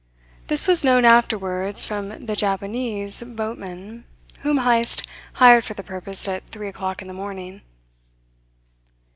This was known afterwards from the Javanese boatmen whom Heyst hired for the purpose at three o'clock in the morning.